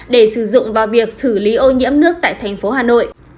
để sử dụng vào việc xử lý ô nhiễm nước tại tp hà nội